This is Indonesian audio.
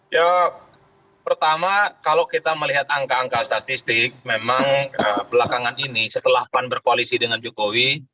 ya pertama kalau kita melihat angka angka statistik memang belakangan ini setelah pan berkoalisi dengan jokowi